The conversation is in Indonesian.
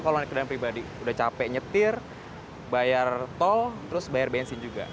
kalau naik kendaraan pribadi udah capek nyetir bayar tol terus bayar bensin juga